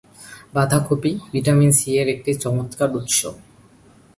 বাঁধাকপি vitamin C এর একটি চমৎকার উৎস।